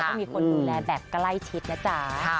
ต้องมีคนดูแลแบบใกล้ชิดนะจ๊ะ